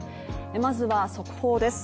まずは速報です